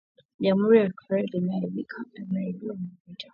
Jamhuri ya Afrika limeharibiwa na vita